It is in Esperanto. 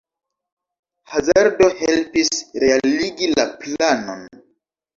Hazardo helpis realigi la planon.